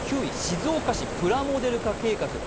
９位、静岡市プラモデル化計画。